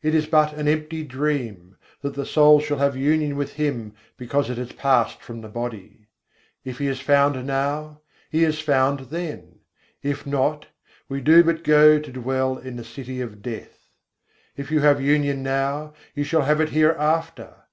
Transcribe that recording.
It is but an empty dream, that the soul shall have union with Him because it has passed from the body: If He is found now, He is found then, If not, we do but go to dwell in the City of Death. If you have union now, you shall have it hereafter.